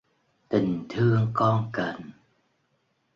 Tình thương con cần